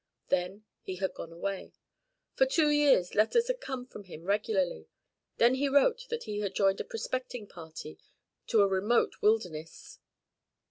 Then he had gone away. For two years letters had come from him regularly. Then he wrote that he had joined a prospecting party to a remote wilderness.